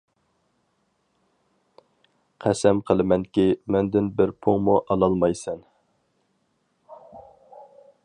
-قەسەم قىلىمەنكى مەندىن بىر پۇڭمۇ ئالالمايسەن.